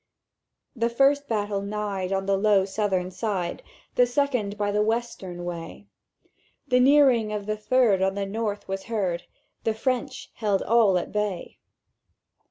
"The first battle nighed on the low Southern side; The second by the Western way; The nearing of the third on the North was heard: —The French held all at bay.